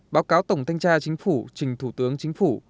báo cáo tổng thanh tra chính phủ trình thủ tướng chính phủ